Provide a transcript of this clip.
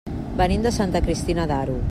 Venim de Santa Cristina d'Aro.